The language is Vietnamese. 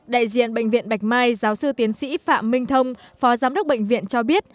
đại diện bệnh viện bạch mai giáo sư tiến sĩ phạm minh thông phó giám đốc bệnh viện cho biết